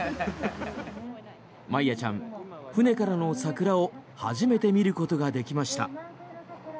マイヤちゃん、船からの桜を初めて見ることができました。